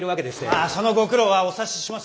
まあそのご苦労はお察ししますよ。